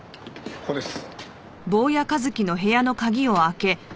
ここです。